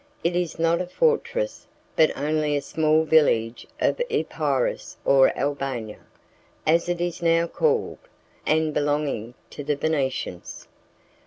It is not a fortress, but only a small village of Epirus, or Albania, as it is now called, and belonging to the Venetians.